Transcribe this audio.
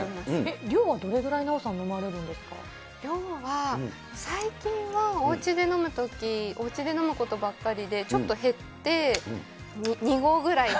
量はどれぐらい、奈緒さん、量は、最近はおうちで飲むとき、おうちで飲むことばっかりでちょっと減って、２合ぐらいで。